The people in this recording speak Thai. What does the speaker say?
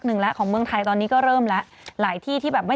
หนึ่งแล้วของเมืองไทยตอนนี้ก็เริ่มแล้วหลายที่ที่แบบไม่